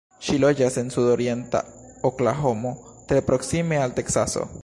Ŝi loĝas en sudorienta Oklahomo, tre proksime al Teksaso.